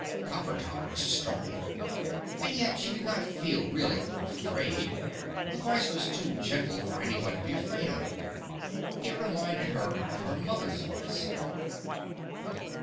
Coppertop was startled. And yet she did not feel really afraid the voice was too gentle for anyone to be afraid of. It reminded her of her mother's voice.